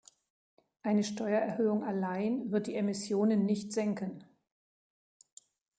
Eine Steuererhöhung allein wird die Emissionen nicht senken.